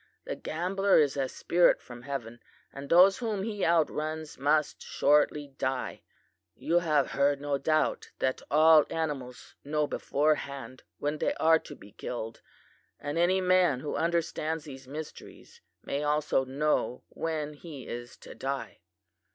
'The gambler is a spirit from heaven, and those whom he outruns must shortly die. You have heard, no doubt, that all animals know beforehand when they are to be killed; and any man who understands these mysteries may also know when he is to die.